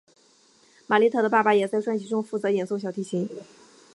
玛莉特的爸爸也在专辑中负责演奏小提琴。